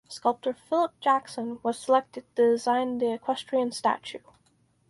Sculptor Philip Jackson was selected to design the equestrian statue.